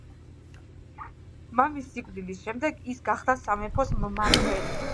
მამის სიკვდილის შემდეგ ის გახდა სამეფოს მმართველი.